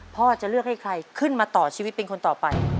พ่อจะเลือกให้ใครขึ้นมาต่อชีวิตเป็นคนต่อไป